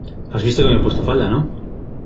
¿ has visto que me he puesto la falda, no?